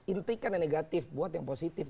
intikan yang negatif buat yang positif